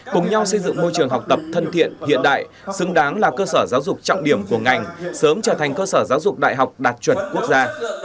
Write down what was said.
cùng nhau xây dựng môi trường học tập thân thiện hiện đại xứng đáng là cơ sở giáo dục trọng điểm của ngành sớm trở thành cơ sở giáo dục đại học đạt chuẩn quốc gia